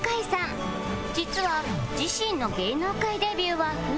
実は自身の